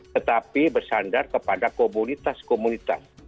tetapi bersandar kepada komunitas komunitas